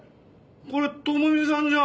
これ朋美さんじゃん。